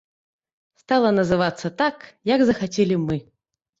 Стала называцца так, як захацелі мы.